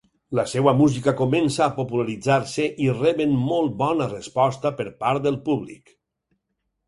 La seva música comença a popularitzar-se i reben molt bona resposta per part del públic.